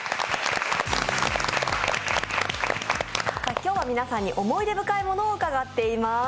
今日は皆さんに思い出深いものを伺ってます。